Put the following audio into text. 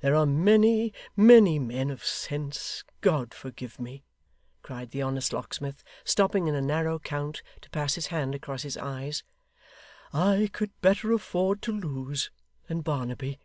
There are many, many men of sense, God forgive me,' cried the honest locksmith, stopping in a narrow court to pass his hand across his eyes, 'I could better afford to lose than Barnaby.